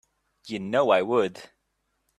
You know I would.